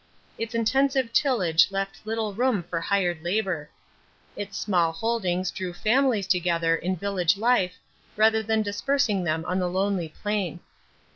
Its intensive tillage left little room for hired labor. Its small holdings drew families together in village life rather than dispersing them on the lonely plain.